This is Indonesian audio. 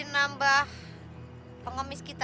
karena semakin banyak pengemis kita